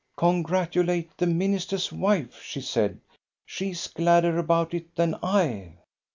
"Congratulate the minister's wife," she said. " She is gladder about it than I."